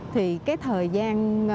thì cái thời gian